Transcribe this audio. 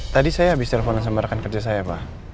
tadi saya habis telepon sama rekan kerja saya pak